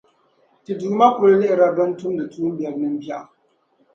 ti Duuma kul lihirila bɛn tumdi tuumbiɛri nimbiɛɣu.